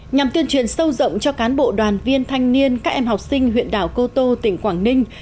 nhằm tuyên truyền sâu rộng cho cán bộ đoàn viên thanh niên các em học sinh huyện đảo cô tô tỉnh quảng ninh